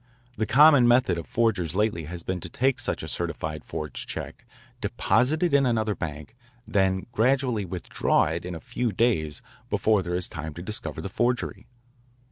The common method of forgers lately has been to take such a certified forged check, deposit it in another bank, then gradually withdraw it in a few days before there is time to discover the forgery.